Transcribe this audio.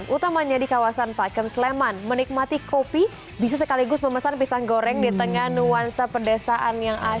utamanya di kawasan pakem sleman menikmati kopi bisa sekaligus memesan pisang goreng di tengah nuansa pedesaan yang ada